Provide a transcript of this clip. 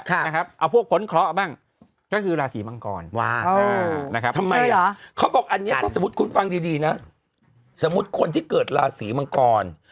เอาพวกพ้นเคราะห์บ้างก็คือราศีมังกรว่านะครับทำไมเขาบอกอันนี้ถ้าสมมุติคุณฟังดีดีนะสมมุติคนที่เกิดราศีมังกร